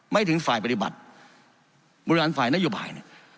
ไม่ถึงฝ่ายปฏิบัติบริหารฝ่ายนโยบายเนี่ย